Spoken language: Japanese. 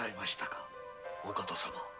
お方様。